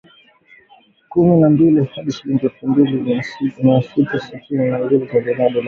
kumi na mbili hadi shilingi elfu mbili mia sita tisini na mbili za Tanzania dola moja